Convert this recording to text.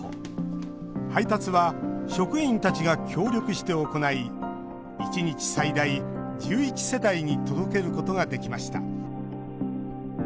配達は職員たちが協力して行い１日最大１１世帯に届けることができました。